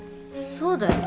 そうだよ